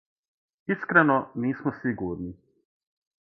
Искрено, нисмо сигурни.